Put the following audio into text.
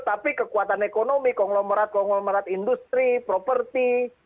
tapi kekuatan ekonomi konglomerat konglomerat industri properti